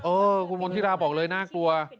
เออคุณมณฑิราบอกเลยน่ากลัว